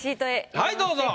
はいどうぞ。